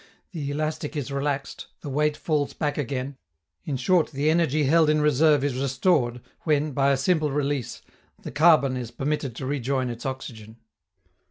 The elastic is relaxed, the weight falls back again, in short the energy held in reserve is restored, when, by a simple release, the carbon is permitted to rejoin its oxygen.